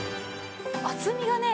厚みがね